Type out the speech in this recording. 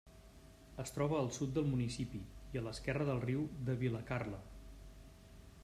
Es troba al sud del municipi, i a l’esquerra del riu de Vilacarle.